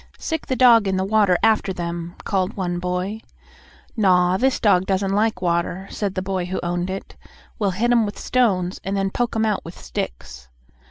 "Sic the dog in the water after them," called one boy. "Naw! This dog doesn't like water," said the boy who owned it. "We'll hit 'em with stones, and then poke 'em out with sticks."